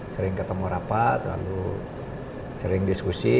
sering ketemu rapat lalu sering diskusi